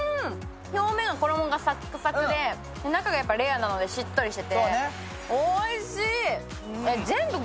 表面は衣がサックサクで中がレアなのでしっとりしてておいしい！